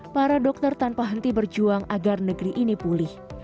para dokter tanpa henti berjuang agar negeri ini pulih